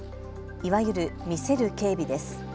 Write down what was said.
いわゆる見せる警備です。